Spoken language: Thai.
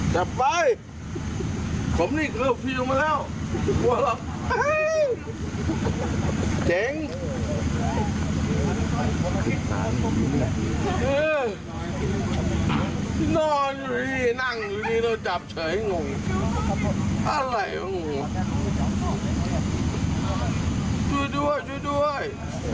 จับไปผมนี่เครื่องฟิล์มมาแล้วเจ๋งนอนอยู่นี่นั่งอยู่นี่เราจับเฉยงงงอะไรงงช่วยด้วยช่วยด้วย